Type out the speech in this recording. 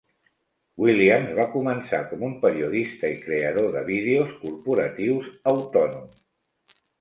Williams va començar com un periodista i creador de vídeos corporatius autònom.